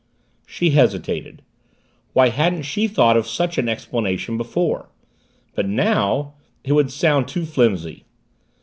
She hesitated. Why hadn't she thought of such an explanation before? But now it would sound too flimsy!